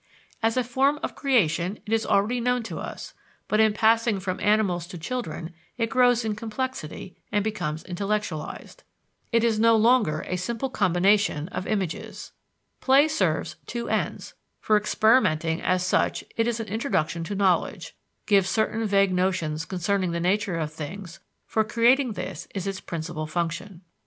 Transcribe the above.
As a form of creation it is already known to us, but in passing from animals to children, it grows in complexity and becomes intellectualized. It is no longer a simple combination of images. Play serves two ends for experimenting: as such it is an introduction to knowledge, gives certain vague notions concerning the nature of things; for creating: this is its principal function.